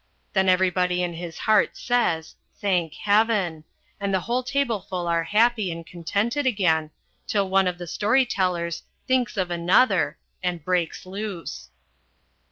Then everybody in his heart says, "Thank heaven!" and the whole tableful are happy and contented again, till one of the story tellers "thinks of another," and breaks loose.